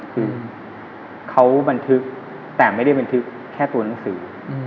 คือเขาบันทึกแต่ไม่ได้บันทึกแค่ตัวหนังสือ